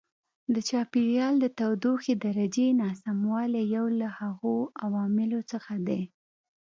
د چاپېریال د تودوخې درجې ناسموالی یو له هغو عواملو څخه دی.